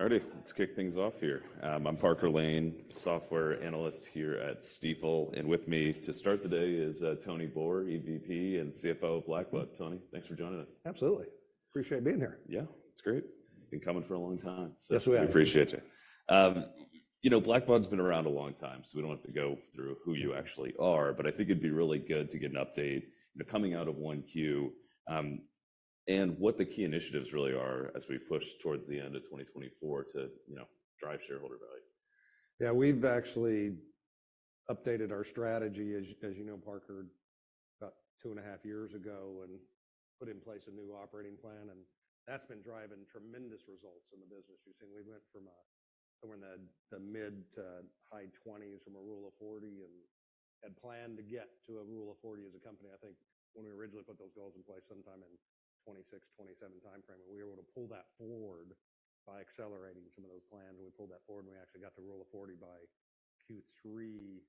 All right, let's kick things off here. I'm Parker Lane, Software Analyst here at Stifel, and with me to start the day is, Tony Boor, EVP and CFO of Blackbaud. Tony, thanks for joining us. Absolutely. Appreciate being here. Yeah, it's great. Been coming for a long time. Yes, we have. We appreciate you. You know, Blackbaud's been around a long time, so we don't have to go through who you actually are, but I think it'd be really good to get an update, you know, coming out of 1Q, and what the key initiatives really are as we push towards the end of 2024 to, you know, drive shareholder value. Yeah, we've actually updated our strategy as, as you know, Parker, about two and a half years ago and put in place a new operating plan, and that's been driving tremendous results in the business. You've seen, we went from somewhere in the mid- to high-20s from a Rule of 40 and planned to get to a Rule of 40 as a company. I think when we originally put those goals in place sometime in 2026, 2027 timeframe, and we were able to pull that forward by accelerating some of those plans, and we pulled that forward, and we actually got to Rule of 40 by Q3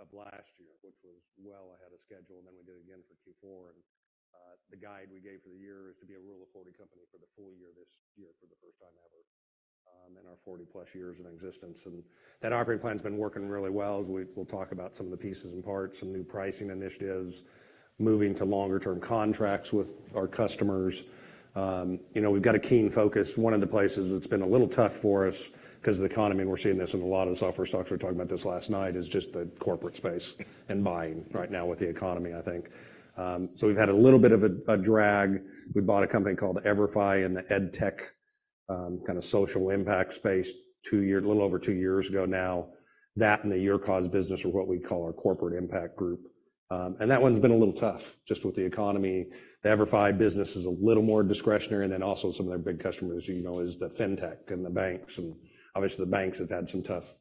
of last year, which was well ahead of schedule, and then we did it again for Q4. The guide we gave for the year is to be a Rule of 40 company for the full year this year, for the first time ever, in our 40-plus years in existence, and that operating plan's been working really well. As we'll talk about some of the pieces and parts, some new pricing initiatives, moving to longer-term contracts with our customers. You know, we've got a keen focus. One of the places that's been a little tough for us 'cause of the economy, and we're seeing this in a lot of the software stocks, we were talking about this last night, is just the corporate space and buying right now with the economy, I think. So we've had a little bit of a drag. We bought a company called EVERFI in the EdTech, kind of social impact space a little over two years ago now. That and the YourCause business are what we call our Corporate Impact group. And that one's been a little tough just with the economy. The EVERFI business is a little more discretionary, and then also some of their big customers, as you know, is the Fintech and the banks, and obviously, the banks have had some tough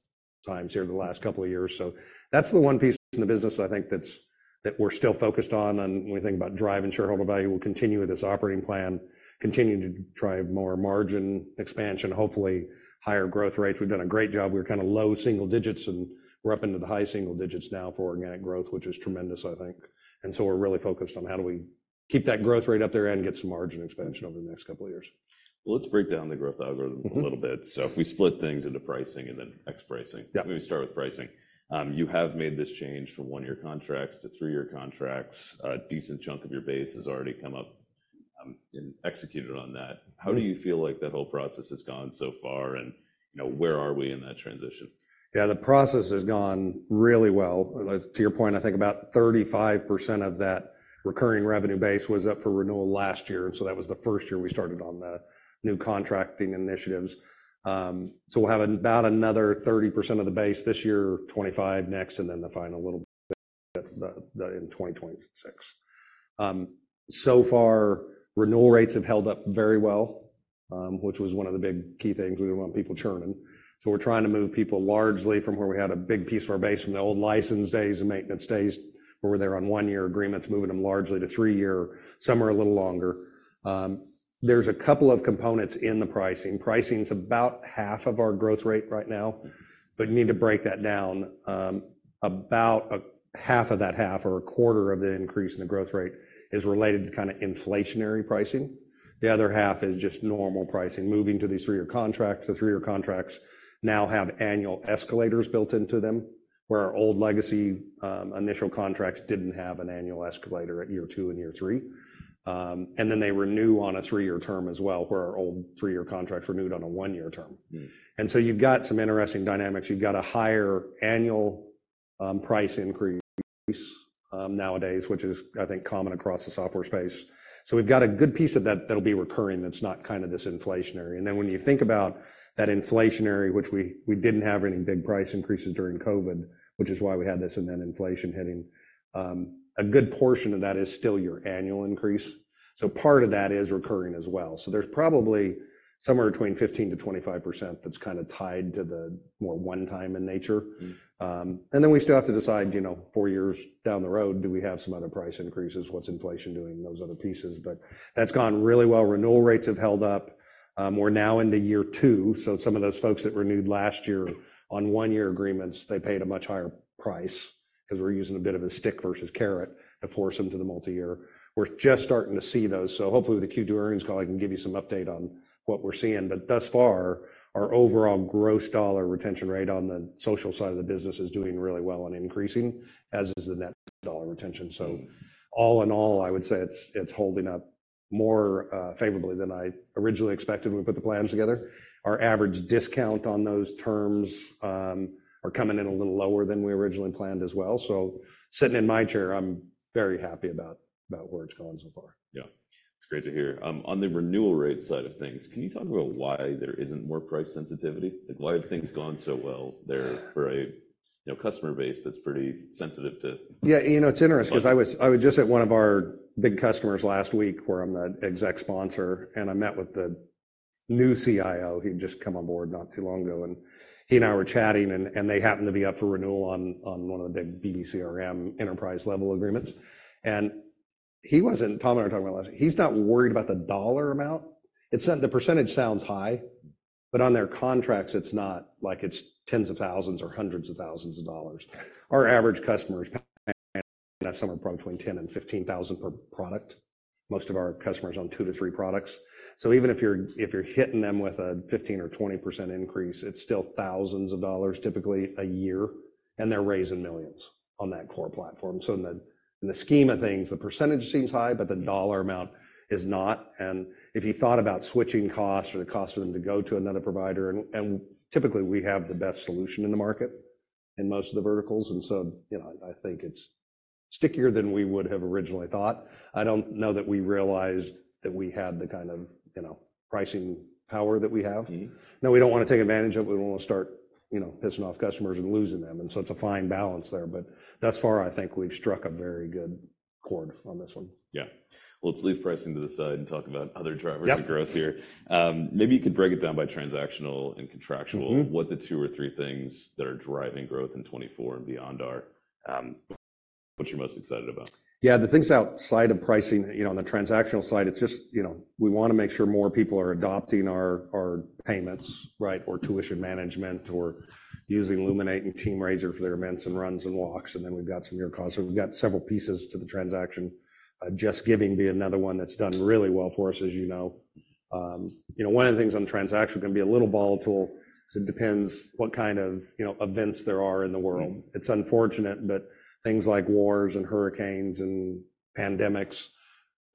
times here the last couple of years. So that's the one piece in the business, I think that's, that we're still focused on. And when we think about driving shareholder value, we'll continue with this operating plan, continue to drive more margin expansion, hopefully higher growth rates. We've done a great job. We're kinda low single digits, and we're up into the high single digits now for organic growth, which is tremendous, I think. And so we're really focused on how do we keep that growth rate up there and get some margin expansion over the next couple of years. Well, let's break down the growth algorithm- Mm-hmm. A little bit. So if we split things into pricing and then ex pricing. Yeah. Let me start with pricing. You have made this change from 1-year contracts to 3-year contracts. A decent chunk of your base has already come up, and executed on that. Mm. How do you feel like that whole process has gone so far, and, you know, where are we in that transition? Yeah, the process has gone really well. To your point, I think about 35% of that recurring revenue base was up for renewal last year, so that was the first year we started on the new contracting initiatives. So we'll have about another 30% of the base this year, 25 next, and then the final little bit in 2026. So far, renewal rates have held up very well, which was one of the big key things. We didn't want people churning. So we're trying to move people largely from where we had a big piece of our base from the old license days and maintenance days, where we're there on 1-year agreements, moving them largely to 3-year, some are a little longer. There's a couple of components in the pricing. Pricing's about half of our growth rate right now, but you need to break that down. About a half of that half or a quarter of the increase in the growth rate is related to kinda inflationary pricing. The other half is just normal pricing, moving to these three-year contracts. The three-year contracts now have annual escalators built into them, where our old legacy, initial contracts didn't have an annual escalator at year two and year three. And then they renew on a three-year term as well, where our old three-year contract renewed on a one-year term. Mm. And so you've got some interesting dynamics. You've got a higher annual price increase nowadays, which is, I think, common across the software space. So we've got a good piece of that that'll be recurring, that's not kind of this inflationary. And then when you think about that inflationary, which we didn't have any big price increases during COVID, which is why we had this, and then inflation hitting. A good portion of that is still your annual increase, so part of that is recurring as well. So there's probably somewhere between 15%-25% that's kinda tied to the more one time in nature. Mm. And then we still have to decide, you know, four years down the road, do we have some other price increases? What's inflation doing? Those other pieces. But that's gone really well. Renewal rates have held up. We're now into year two, so some of those folks that renewed last year on one-year agreements, they paid a much higher price 'cause we're using a bit of a stick versus carrot to force them to the multi-year. We're just starting to see those, so hopefully with the Q2 earnings call, I can give you some update on what we're seeing. But thus far, our overall gross dollar retention rate on the social side of the business is doing really well and increasing, as is the net dollar retention. So all in all, I would say it's, it's holding up more, favorably than I originally expected when we put the plans together. Our average discount on those terms, are coming in a little lower than we originally planned as well. So sitting in my chair, I'm very happy about, about where it's gone so far. Yeah, it's great to hear. On the renewal rate side of things, can you talk about why there isn't more price sensitivity? Like, why have things gone so well there for a, you know, customer base that's pretty sensitive to- Yeah, you know, it's interesting- -price? 'cause I was, I was just at one of our big customers last week, where I'm the exec sponsor, and I met with the new CIO, who'd just come on board not too long ago, and he and I were chatting, and they happened to be up for renewal on one of the big BBCRM enterprise-level agreements. And he wasn't... Tom and I were talking about last week. He's not worried about the dollar amount. The percentage sounds high, but on their contracts, it's not like it's tens of thousands or hundreds of thousands of dollars. Our average customer that's somewhere between $10,000 and $15,000 per product. Most of our customers are on 2-3 products. So even if you're hitting them with a 15%-20% increase, it's still thousands of dollars, typically a year, and they're raising millions on that core platform. So in the scheme of things, the percentage seems high, but the dollar amount is not, and if you thought about switching costs or the cost for them to go to another provider, and typically, we have the best solution in the market in most of the verticals, and so, you know, I think it's stickier than we would have originally thought. I don't know that we realized that we had the kind of, you know, pricing power that we have. Mm-hmm. Now, we don't want to take advantage of it. We don't want to start, you know, pissing off customers and losing them, and so it's a fine balance there, but thus far, I think we've struck a very good chord on this one. Yeah. Well, let's leave pricing to the side and talk about other drivers- Yep... of growth here. Maybe you could break it down by transactional and contractual. Mm-hmm. What the two or three things that are driving growth in 2024 and beyond are, what you're most excited about? Yeah, the things outside of pricing, you know, on the transactional side, it's just, you know, we want to make sure more people are adopting our, our payments, right? Or tuition management, or using Luminate and TeamRaiser for their events and runs and walks, and then we've got some YourCause. So we've got several pieces to the transaction, JustGiving being another one that's done really well for us, as you know. You know, one of the things on transaction can be a little volatile, so it depends what kind of, you know, events there are in the world. Mm-hmm. It's unfortunate, but things like wars, and hurricanes, and pandemics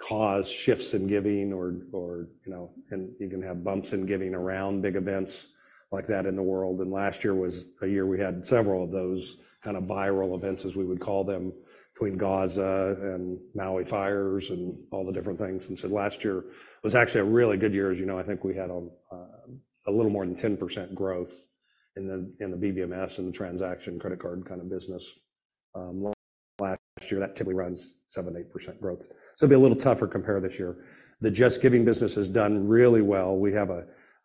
cause shifts in giving or, you know, and you can have bumps in giving around big events like that in the world, and last year was a year we had several of those kind of viral events, as we would call them. Between Gaza, and Maui fires, and all the different things, and so last year was actually a really good year, as you know, I think we had a little more than 10% growth in the, in the BBMS and the transaction credit card kind of business. Last year, that typically runs 7%-8% growth. So it'll be a little tougher compare this year. The JustGiving business has done really well. We have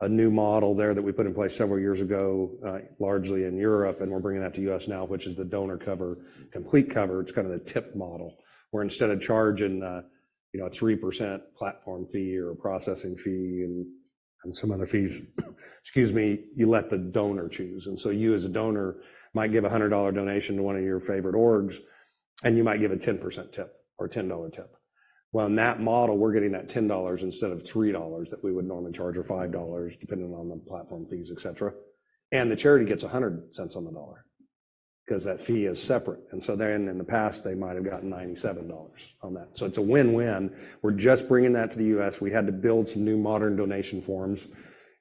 a new model there that we put in place several years ago, largely in Europe, and we're bringing that to U.S. now, which is the Complete Cover. It's kind of the tip model, where instead of charging, you know, a 3% platform fee or a processing fee and some other fees, excuse me, you let the donor choose. And so you, as a donor, might give a $100 donation to one of your favorite orgs, and you might give a 10% tip or $10 tip. Well, in that model, we're getting that $10 instead of $3 that we would normally charge, or $5, depending on the platform fees, etc., and the charity gets 100 cents on the dollar because that fee is separate, and so then in the past, they might have gotten $97 on that. So it's a win-win. We're just bringing that to the U.S. We had to build some new modern donation forms,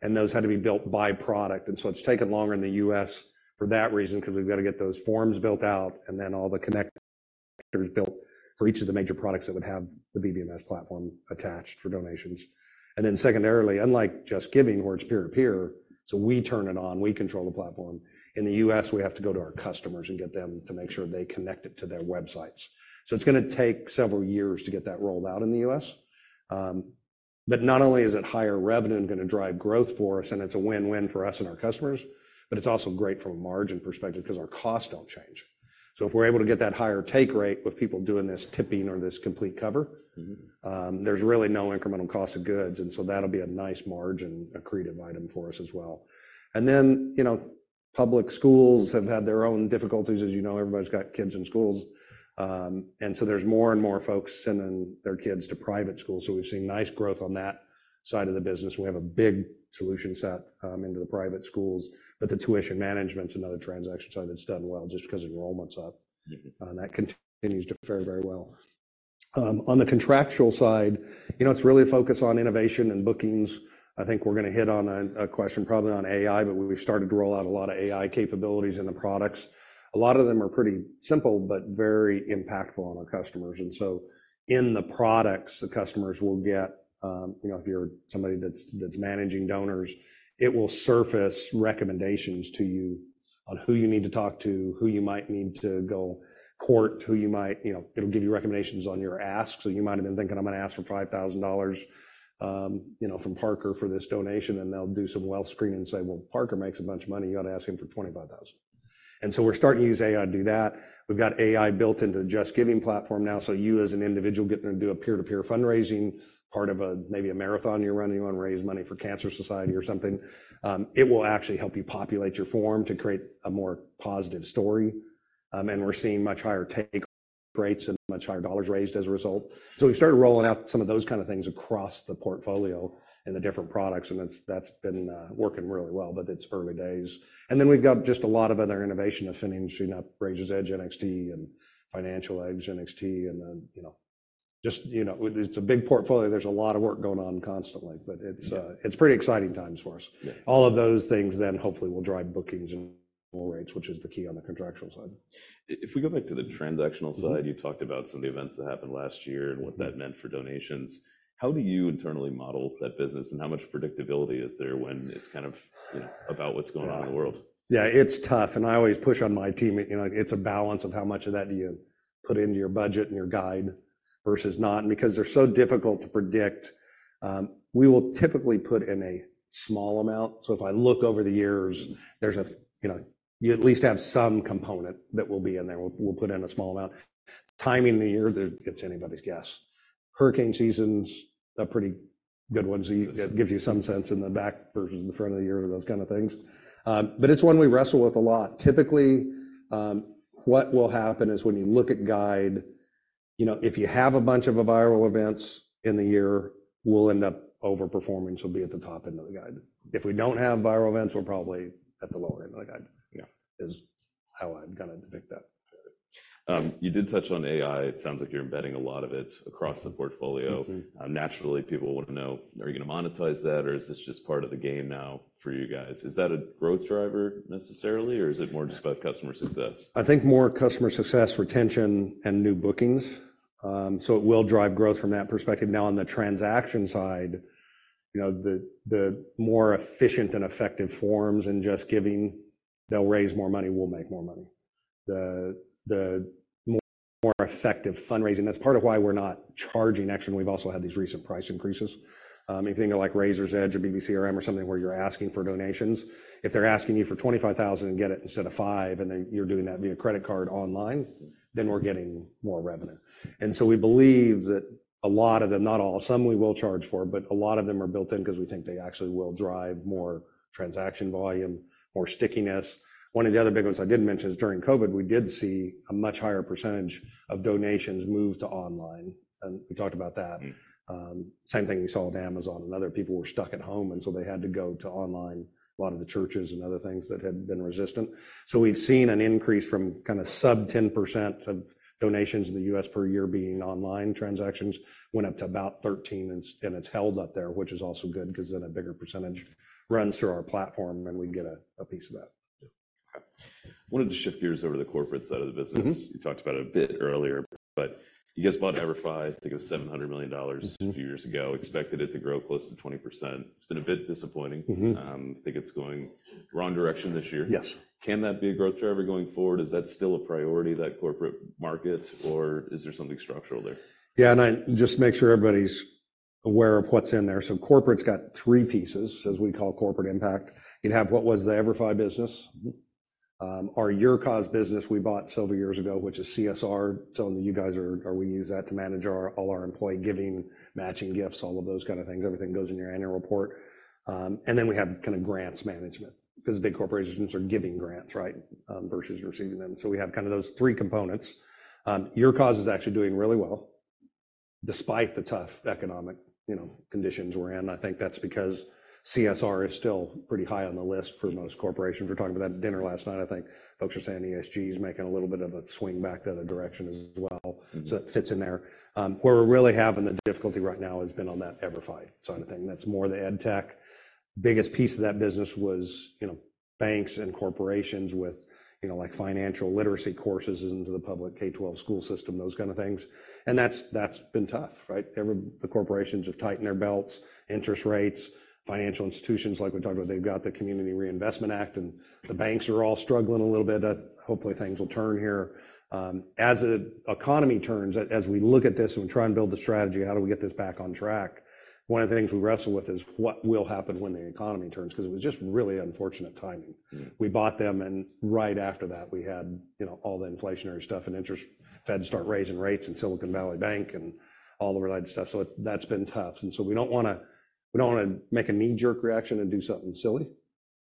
and those had to be built by product, and so it's taken longer in the U.S. for that reason 'cause we've got to get those forms built out and then all the connectors built for each of the major products that would have the BBMS platform attached for donations. And then secondarily, unlike JustGiving, where it's peer-to-peer, so we turn it on, we control the platform. In the U.S., we have to go to our customers and get them to make sure they connect it to their websites. So it's gonna take several years to get that rolled out in the U.S. But not only is it higher revenue going to drive growth for us, and it's a win-win for us and our customers, but it's also great from a margin perspective 'cause our costs don't change. So if we're able to get that higher take rate with people doing this tipping or this Complete Cover- Mm-hmm ...there's really no incremental cost of goods, and so that'll be a nice margin accretive item for us as well. And then, you know, public schools have had their own difficulties. As you know, everybody's got kids in schools, and so there's more and more folks sending their kids to private schools, so we've seen nice growth on that side of the business. We have a big solution set, into the private schools, but the tuition management's another transaction side that's done well just 'cause enrollment's up. Mm-hmm. That continues to fare very well. On the contractual side, you know, it's really a focus on innovation and bookings. I think we're gonna hit on a question probably on AI, but we've started to roll out a lot of AI capabilities in the products. A lot of them are pretty simple, but very impactful on our customers, and so in the products, the customers will get, you know, if you're somebody that's managing donors, it will surface recommendations to you on who you need to talk to, who you might need to go court, who you might... You know, it'll give you recommendations on your ask. So you might have been thinking, "I'm gonna ask for $5,000, you know, from Parker for this donation," and they'll do some wealth screening and say, "Well, Parker makes a bunch of money. You ought to ask him for $25,000." And so we're starting to use AI to do that. We've got AI built into the JustGiving platform now. So you as an individual, getting to do a peer-to-peer fundraising, part of a, maybe a marathon you're running on, raise money for Cancer Society or something, it will actually help you populate your form to create a more positive story. And we're seeing much higher take rates and much higher dollars raised as a result. So we started rolling out some of those kind of things across the portfolio and the different products, and that's, that's been working really well, but it's early days. And then we've got just a lot of other innovation of finishing up Raiser's Edge NXT and Financial Edge NXT, and then, you know, just, you know, it's a big portfolio. There's a lot of work going on constantly. Yeah... but it's, it's pretty exciting times for us. Yeah. All of those things then hopefully will drive bookings and more rates, which is the key on the contractual side. If we go back to the transactional side, you talked about some of the events that happened last year and what that meant for donations. How do you internally model that business, and how much predictability is there when it's kind of, you know, about what's going on in the world? Yeah, it's tough, and I always push on my team. You know, it's a balance of how much of that do you put into your budget and your guide versus not, and because they're so difficult to predict, we will typically put in a small amount. So if I look over the years, you know, you at least have some component that will be in there. We'll put in a small amount. Timing the year, that it's anybody's guess. Hurricane seasons, a pretty good ones, it gives you some sense in the back versus the front of the year, those kind of things. But it's one we wrestle with a lot. Typically, what will happen is when you look at guide, you know, if you have a bunch of viral events in the year, we'll end up overperforming, so we'll be at the top end of the guide. If we don't have viral events, we're probably at the lower end of the guide. Yeah is how I'd kinda predict that. You did touch on AI. It sounds like you're embedding a lot of it across the portfolio. Mm-hmm. Naturally, people want to know, are you going to monetize that, or is this just part of the game now for you guys? Is that a growth driver necessarily, or is it more just about customer success? I think more customer success, retention, and new bookings. So it will drive growth from that perspective. Now, on the transaction side, you know, the more efficient and effective forms and JustGiving, they'll raise more money, we'll make more money. The more effective fundraising, that's part of why we're not charging extra, and we've also had these recent price increases. If you think of, like, Raiser's Edge or Blackbaud CRM or something, where you're asking for donations, if they're asking you for $25,000 and get it instead of $5,000, and then you're doing that via credit card online, then we're getting more revenue. And so we believe that a lot of them, not all, some we will charge for, but a lot of them are built in because we think they actually will drive more transaction volume, more stickiness. One of the other big ones I didn't mention is during COVID, we did see a much higher percentage of donations move to online, and we talked about that. Mm. Same thing we saw with Amazon and other people were stuck at home, and so they had to go to online, a lot of the churches and other things that had been resistant. So we've seen an increase from kinda sub 10% of donations in the US per year being online transactions, went up to about 13, and it's, and it's held up there, which is also good because then a bigger percentage runs through our platform, and we get a, a piece of that. Yeah. I wanted to shift gears over to the corporate side of the business. Mm-hmm. You talked about it a bit earlier, but you guys bought EVERFI, I think it was $700 million- Mm-hmm - A few years ago, expected it to grow close to 20%. It's been a bit disappointing. Mm-hmm. I think it's going wrong direction this year. Yes. Can that be a growth driver going forward? Is that still a priority, that corporate market, or is there something structural there? Yeah, and I just make sure everybody's aware of what's in there. So corporate's got three pieces, as we call Corporate Impact. You'd have what was the EVERFI business. Mm-hmm. Our YourCause business we bought several years ago, which is CSR. Some of you guys are. We use that to manage our all our employee giving, matching gifts, all of those kind of things. Everything goes in your annual report. And then we have kinda grants management because big corporations are giving grants, right? Versus receiving them. So we have kinda those three components. YourCause is actually doing really well despite the tough economic, you know, conditions we're in. I think that's because CSR is still pretty high on the list for most corporations. We were talking about that at dinner last night. I think folks are saying ESG is making a little bit of a swing back the other direction as well. Mm. So that fits in there. Where we're really having the difficulty right now has been on that EVERFI side of things. That's more the EdTech. Biggest piece of that business was, you know, like, financial literacy courses into the public K-12 school system, those kind of things. And that's, that's been tough, right? The corporations have tightened their belts, interest rates, financial institutions, like we talked about, they've got the Community Reinvestment Act, and the banks are all struggling a little bit. Hopefully, things will turn here. As the economy turns, as we look at this and try and build the strategy, how do we get this back on track? One of the things we wrestle with is what will happen when the economy turns, 'cause it was just really unfortunate timing. Mm. We bought them, and right after that, we had, you know, all the inflationary stuff and interest, Fed start raising rates and Silicon Valley Bank and all the related stuff, so that's been tough. And so we don't wanna, we don't wanna make a knee-jerk reaction and do something silly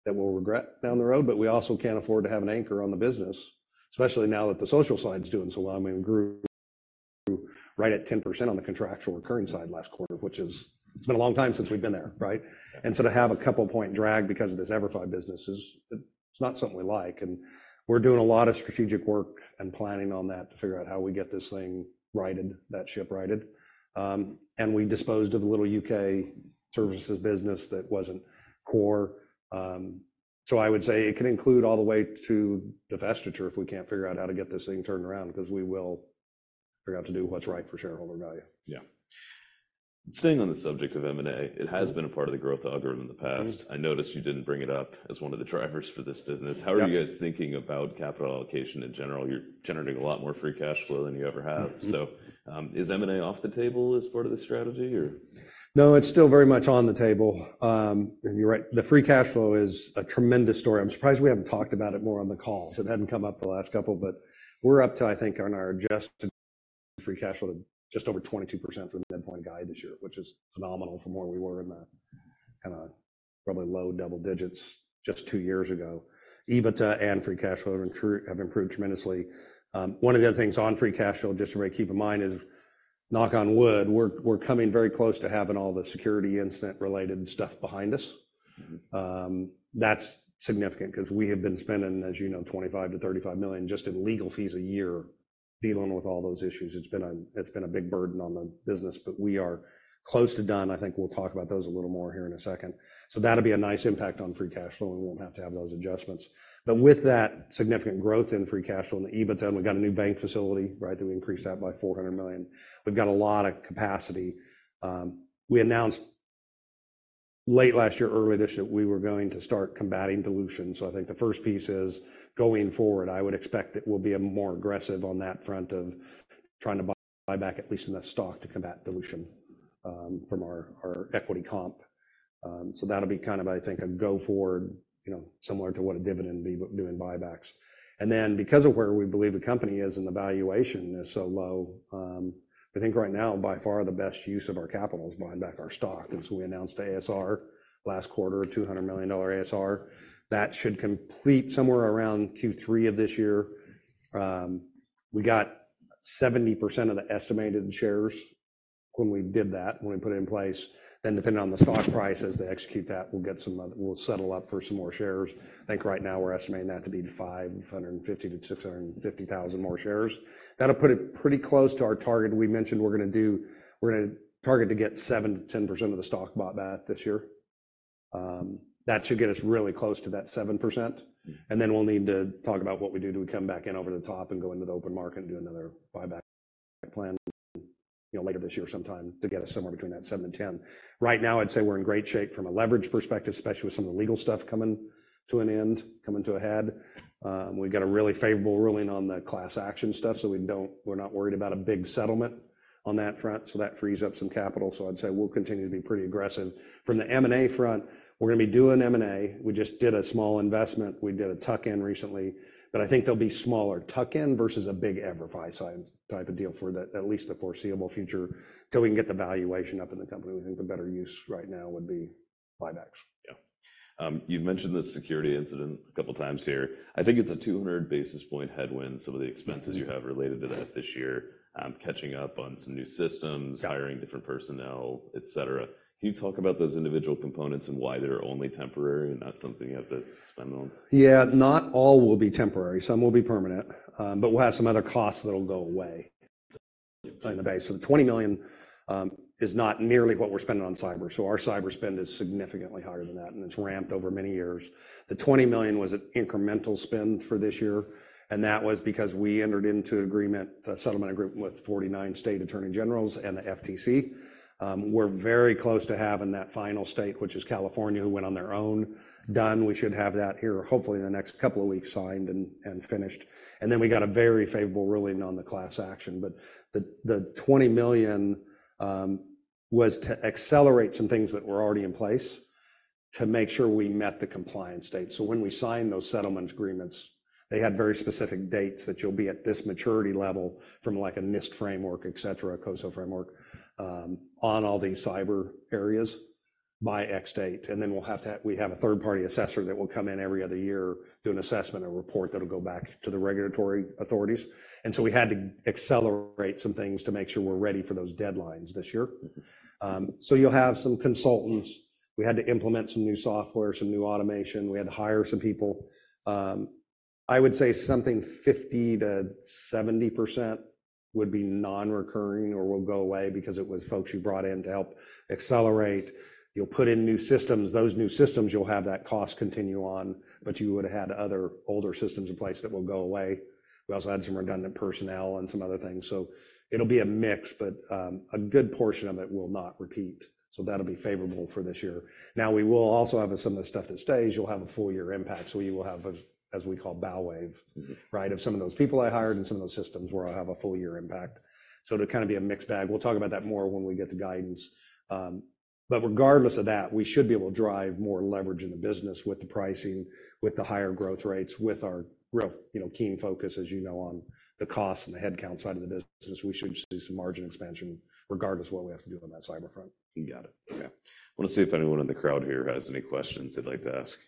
that we'll regret down the road, but we also can't afford to have an anchor on the business, especially now that the social side is doing so well. And we grew right at 10% on the contractual recurring side last quarter, which is, it's been a long time since we've been there, right? And so to have a couple point drag because of this EVERFI business is, it's not something we like, and we're doing a lot of strategic work and planning on that to figure out how we get this thing righted, that ship righted. We disposed of a little U.K. services business that wasn't core. I would say it can include all the way to divestiture if we can't figure out how to get this thing turned around, because we will figure out to do what's right for shareholder value. Yeah. Staying on the subject of M&A, it has been a part of the growth algorithm in the past. Mm-hmm. I noticed you didn't bring it up as one of the drivers for this business. Yep. How are you guys thinking about capital allocation in general? You're generating a lot more free cash flow than you ever have. Mm-hmm. So, is M&A off the table as part of the strategy or? No, it's still very much on the table. And you're right, the free cash flow is a tremendous story. I'm surprised we haven't talked about it more on the call, so it hadn't come up the last couple, but we're up to, I think, on our adjusted free cash flow, to just over 22% for the midpoint guide this year, which is phenomenal from where we were in the kinda probably low double digits just two years ago. EBITDA and free cash flow have improved tremendously. One of the other things on free cash flow, just to keep in mind, is, knock on wood, we're coming very close to having all the security incident-related stuff behind us. Mm-hmm. That's significant because we have been spending, as you know, $25 million-$35 million just in legal fees a year, dealing with all those issues. It's been a big burden on the business, but we are close to done. I think we'll talk about those a little more here in a second. So that'll be a nice impact on free cash flow, and we won't have to have those adjustments. But with that significant growth in free cash flow and the EBITDA, we've got a new bank facility, right, that we increased that by $400 million. We've got a lot of capacity. We announced late last year, early this year, that we were going to start combating dilution. So I think the first piece is, going forward, I would expect that we'll be more aggressive on that front of trying to buy, buy back at least enough stock to combat dilution, from our, our equity comp. So that'll be kind of, I think, a go forward, you know, similar to what a dividend be doing buybacks. Then because of where we believe the company is and the valuation is so low, I think right now by far the best use of our capital is buying back our stock. So we announced ASR last quarter, a $200 million ASR. That should complete somewhere around Q3 of this year. We got 70% of the estimated shares when we did that, when we put it in place. Then depending on the stock price, as they execute that, we'll get some other, we'll settle up for some more shares. I think right now we're estimating that to be 550,000-650,000 more shares. That'll put it pretty close to our target. We mentioned we're gonna do, we're gonna target to get 7%-10% of the stock bought back this year. That should get us really close to that 7%, and then we'll need to talk about what we do. Do we come back in over the top and go into the open market and do another buyback plan, you know, later this year sometime to get us somewhere between that 7% and 10%? Right now, I'd say we're in great shape from a leverage perspective, especially with some of the legal stuff coming to an end, coming to a head. We've got a really favorable ruling on the class action stuff, so we don't, we're not worried about a big settlement on that front, so that frees up some capital. So I'd say we'll continue to be pretty aggressive. From the M&A front, we're gonna be doing M&A. We just did a small investment. We did a tuck-in recently, but I think they'll be smaller tuck-ins versus a big EVERFI-sized type of deal for the, at least the foreseeable future, till we can get the valuation up in the company. We think the better use right now would be buybacks. Yeah. You've mentioned this security incident a couple of times here. I think it's a 200 basis point headwind, some of the expenses you have related to that this year, catching up on some new systems- Got it. Hiring different personnel, etc. Can you talk about those individual components and why they're only temporary and not something you have to spend on? Yeah, not all will be temporary. Some will be permanent, but we'll have some other costs that'll go away in the base. So the $20 million is not nearly what we're spending on cyber. So our cyber spend is significantly higher than that, and it's ramped over many years. The $20 million was an incremental spend for this year, and that was because we entered into agreement, a settlement agreement with 49 state attorney generals and the FTC. We're very close to having that final state, which is California, who went on their own, done. We should have that here, hopefully in the next couple of weeks, signed and finished. And then we got a very favorable ruling on the class action. But the $20 million was to accelerate some things that were already in place to make sure we met the compliance date. So when we signed those settlement agreements, they had very specific dates that you'll be at this maturity level from like a NIST framework, etc., a COSO framework, on all these cyber areas by X date. And then we have a third-party assessor that will come in every other year, do an assessment or report that'll go back to the regulatory authorities. And so we had to accelerate some things to make sure we're ready for those deadlines this year. Mm-hmm. So you'll have some consultants. We had to implement some new software, some new automation. We had to hire some people. I would say something 50%-70% would be non-recurring or will go away because it was folks you brought in to help accelerate. You'll put in new systems, those new systems, you'll have that cost continue on, but you would have had other older systems in place that will go away. We also had some redundant personnel and some other things, so it'll be a mix, but, a good portion of it will not repeat. So that'll be favorable for this year. Now, we will also have some of the stuff that stays. You'll have a full year impact, so you will have, as we call, bow wave, right? Mm-hmm. Of some of those people I hired and some of those systems where I'll have a full year impact. So it'll kinda be a mixed bag. We'll talk about that more when we get to guidance. But regardless of that, we should be able to drive more leverage in the business with the pricing, with the higher growth rates, with our real, you know, keen focus, as you know, on the cost and the headcount side of the business. We should see some margin expansion regardless of what we have to do on that cyber front. You got it. Okay. I want to see if anyone in the crowd here has any questions they'd like to ask. Got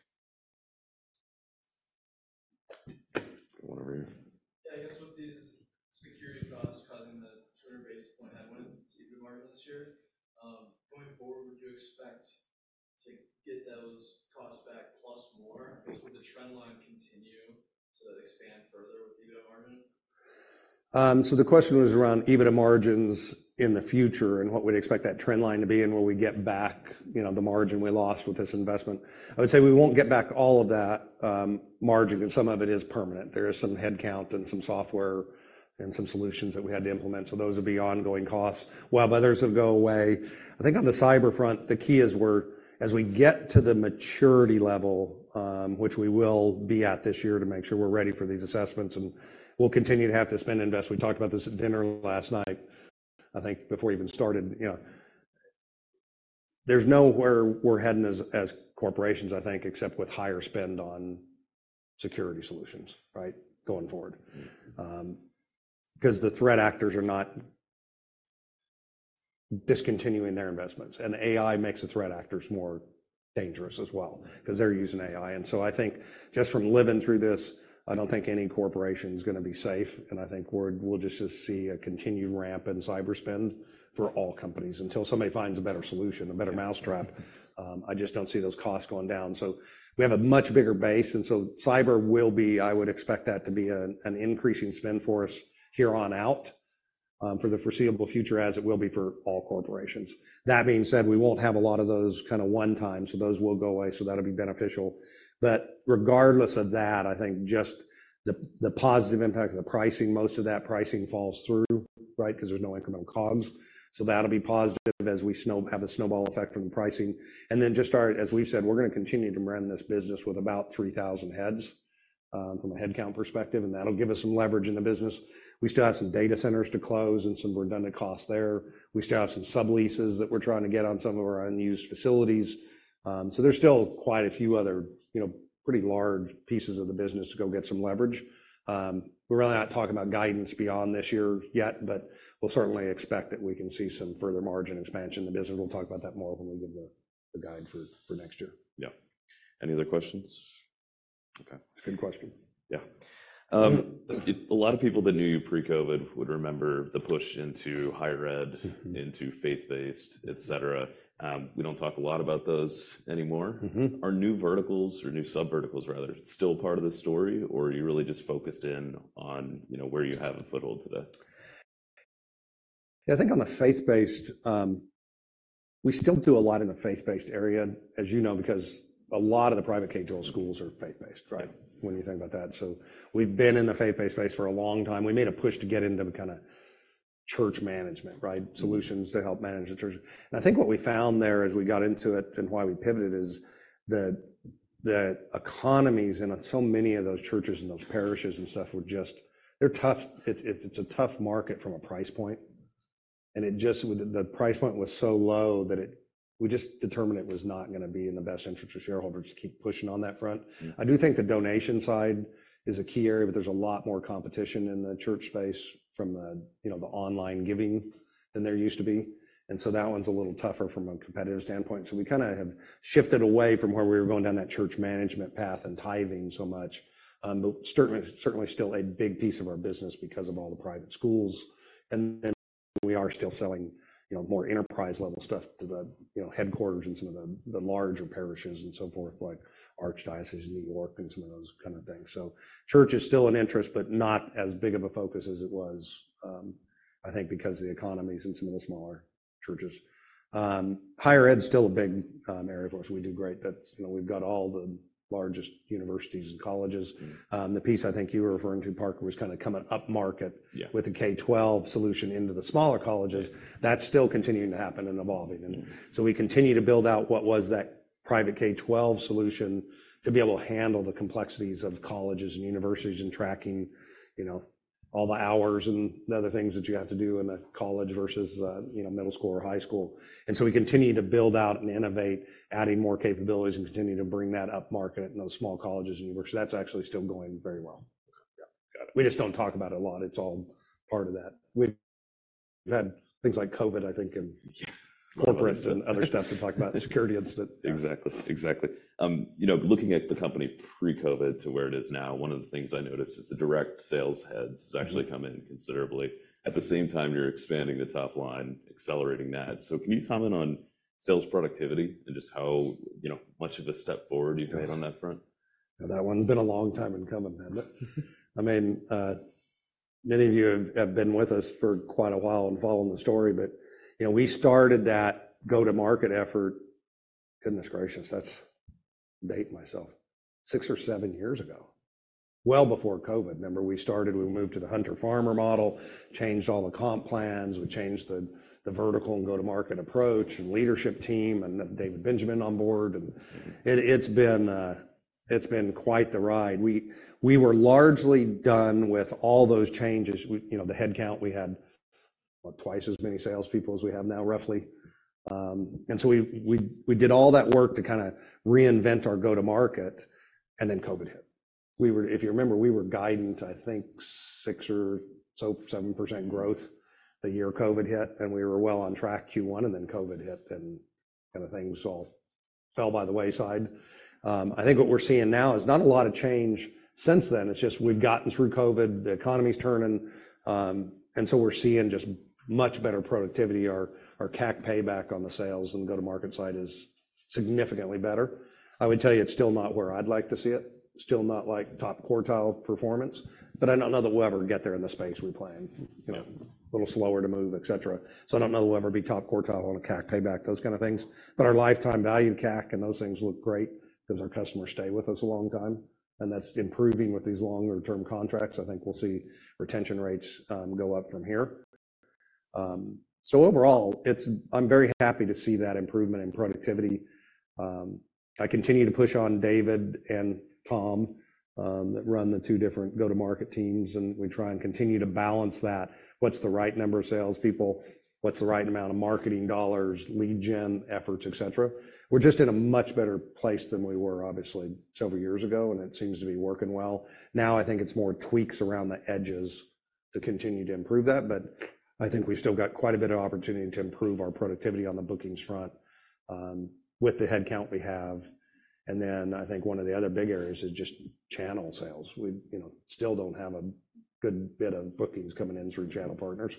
one over here. Yeah, I guess with these security costs causing the 200 basis point headwind to EBITDA margin this year, going forward, would you expect to get those costs back plus more? Would the trend line continue to expand further with EBITDA margin? So the question was around EBITDA margins in the future and what we'd expect that trend line to be and will we get back, you know, the margin we lost with this investment. I would say we won't get back all of that margin, and some of it is permanent. There is some headcount and some software and some solutions that we had to implement. So those will be ongoing costs, while others will go away. I think on the cyber front, the key is we're as we get to the maturity level, which we will be at this year to make sure we're ready for these assessments, and we'll continue to have to spend and invest. We talked about this at dinner last night, I think, before we even started, you know. There's nowhere we're heading as corporations, I think, except with higher spend on security solutions, right, going forward. Mm-hmm. Because the threat actors are not discontinuing their investments, and AI makes the threat actors more dangerous as well because they're using AI. And so I think just from living through this, I don't think any corporation is gonna be safe, and I think we're, we'll just see a continued ramp in cyber spend for all companies. Until somebody finds a better solution, a better mousetrap, I just don't see those costs going down. So we have a much bigger base, and so cyber will be, I would expect that to be an increasing spend for us here on out, for the foreseeable future, as it will be for all corporations. That being said, we won't have a lot of those kinda one time, so those will go away, so that'll be beneficial. But regardless of that, I think just the positive impact of the pricing, most of that pricing falls through, right? Because there's no incremental costs. So that'll be positive as we have a snowball effect from the pricing. And then just our, as we've said, we're gonna continue to run this business with about 3,000 heads from a headcount perspective, and that'll give us some leverage in the business. We still have some data centers to close and some redundant costs there. We still have some subleases that we're trying to get on some of our unused facilities. So there's still quite a few other, you know, pretty large pieces of the business to go get some leverage. We're really not talking about guidance beyond this year yet, but we'll certainly expect that we can see some further margin expansion in the business. We'll talk about that more when we give the guide for next year. Yeah. Any other questions? Okay. It's a good question. Yeah. A lot of people that knew you pre-COVID would remember the push into higher ed- Mm-hmm - into faith-based, et cetera. We don't talk a lot about those anymore. Mm-hmm. Are new verticals or new sub verticals, rather, still part of the story, or are you really just focused in on, you know, where you have a foothold today? Yeah, I think on the faith-based, we still do a lot in the faith-based area, as you know, because a lot of the private K-12 schools are faith-based. Right. When you think about that, so we've been in the faith-based space for a long time. We made a push to get into the kinda church management, right? Mm-hmm. Solutions to help manage the church. I think what we found there as we got into it and why we pivoted is that the economies in so many of those churches and those parishes and stuff were just... They're tough. It's a tough market from a price point, and it just, the price point was so low that it, we just determined it was not gonna be in the best interest of shareholders to keep pushing on that front. Mm-hmm. I do think the donation side is a key area, but there's a lot more competition in the church space from the, you know, the online giving than there used to be. And so that one's a little tougher from a competitive standpoint. So we kinda have shifted away from where we were going down that church management path and tithing so much. But certainly, certainly still a big piece of our business because of all the private schools. And then we are still selling, you know, more enterprise-level stuff to the, you know, headquarters and some of the larger parishes and so forth, like Archdiocese of New York and some of those kinds of things. So church is still an interest, but not as big of a focus as it was, I think because of the economies in some of the smaller churches. Higher ed is still a big area for us. We do great. That's, you know, we've got all the largest universities and colleges. Mm-hmm. The piece I think you were referring to, Parker, was kinda coming upmarket- Yeah - with a K-12 solution into the smaller colleges. That's still continuing to happen and evolving. Mm-hmm. So we continue to build out what was that private K-12 solution to be able to handle the complexities of colleges and universities and tracking, you know, all the hours and the other things that you have to do in a college versus, you know, middle school or high school. And so we continue to build out and innovate, adding more capabilities and continuing to bring that upmarket in those small colleges and universities. That's actually still going very well. Yeah, got it. We just don't talk about it a lot. It's all part of that. We've had things like COVID, I think, and- Yeah, corporate and other stuff to talk about, security incident. Exactly, exactly. You know, looking at the company pre-COVID to where it is now, one of the things I noticed is the direct sales heads- Mm-hmm has actually come in considerably. At the same time, you're expanding the top line, accelerating that. So can you comment on sales productivity and just how, you know, much of a step forward you've made on that front? That one's been a long time in coming, man. But I mean, many of you have been with us for quite a while and following the story, but, you know, we started that go-to-market effort, goodness gracious, that's... I'm dating myself, six or seven years ago, well before COVID. Remember, we started, we moved to the hunter farmer model, changed all the comp plans, we changed the vertical and go-to-market approach, and leadership team, and David Benjamin on board, and it's been quite the ride. We were largely done with all those changes. We, you know, the headcount, we had twice as many salespeople as we have now, roughly. And so we did all that work to kinda reinvent our go-to-market, and then COVID hit. If you remember, we were guiding, I think, 6% or so, 7% growth the year COVID hit, and we were well on track Q1, and then COVID hit and kinda things all fell by the wayside. I think what we're seeing now is not a lot of change since then. It's just we've gotten through COVID, the economy's turning, and so we're seeing just much better productivity. Our CAC payback on the sales and go-to-market side is significantly better. I would tell you it's still not where I'd like to see it, still not like top-quartile performance, but I don't know that we'll ever get there in the space we play in. Yeah. You know, a little slower to move, et cetera. So I don't know that we'll ever be top quartile on a CAC payback, those kind of things, but our lifetime value CAC and those things look great because our customers stay with us a long time, and that's improving with these longer-term contracts. I think we'll see retention rates go up from here. So overall, it's. I'm very happy to see that improvement in productivity. I continue to push on David and Tom that run the two different go-to-market teams, and we try and continue to balance that. What's the right number of salespeople? What's the right amount of marketing dollars, lead gen efforts, et cetera? We're just in a much better place than we were, obviously, several years ago, and it seems to be working well. Now, I think it's more tweaks around the edges to continue to improve that, but I think we've still got quite a bit of opportunity to improve our productivity on the bookings front, with the headcount we have. And then I think one of the other big areas is just channel sales. We, you know, still don't have a good bit of bookings coming in through channel partners.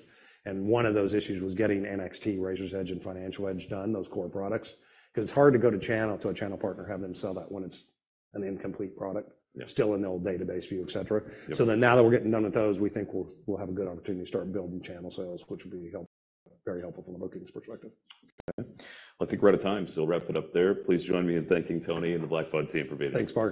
And one of those issues was getting NXT, Raiser's Edge, and Financial Edge done, those core products. Because it's hard to go to channel, to a channel partner, have them sell that when it's an incomplete product- Yeah ... still in the old database view, et cetera. Yep. So then now that we're getting done with those, we think we'll have a good opportunity to start building channel sales, which will be very helpful from a bookings perspective. Okay, I think we're out of time, so we'll wrap it up there. Please join me in thanking Tony and the Blackbaud team for being here. Thanks, Parker.